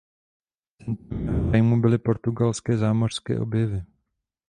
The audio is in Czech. Centrem jeho zájmu byly portugalské zámořské objevy.